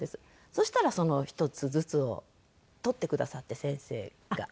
そしたらその１つずつを取ってくださって先生が。